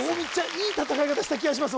いい戦い方した気がします